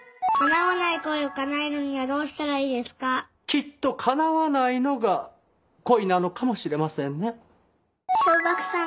きっと叶わないのが恋なのかもしれませんね。